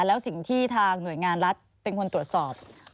แล้วสิ่งที่ทางหน่วยงานรัฐเป็นคนตรวจสอบ